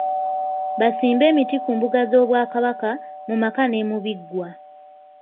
Basimbe emiti ku mbuga z’Obwakabaka, mu maka ne ku biggwa.